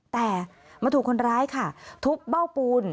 แต่มาถูกคนร้ายค่ะทุบเบ้าปูน